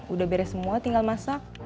udah beres semua tinggal masak